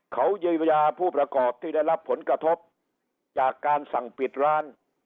เขาเยียวยาผู้ประกอบที่ได้รับผลกระทบจากการสั่งปิดร้าน